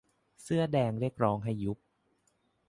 เสื้อแดงเรียกร้องให้ยุบ